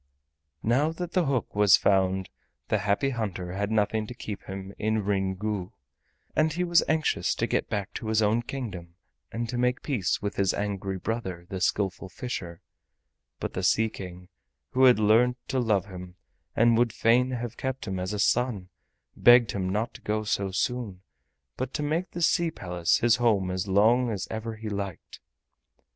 Now that the hook was found the Happy Hunter had nothing to keep him in Ryn Gu, and he was anxious to get back to his own kingdom and to make peace with his angry brother, the Skillful Fisher; but the Sea King, who had learnt to love him and would fain have kept him as a son, begged him not to go so soon, but to make the Sea Palace his home as long as ever he liked.